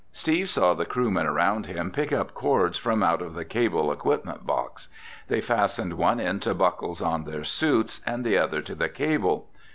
Steve saw the crewmen around him pick up cords from out of the cable equipment box. They fastened one end to buckles on their suits and the other to the cable.